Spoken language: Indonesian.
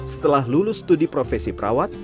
setelah lulus studi profesi perawat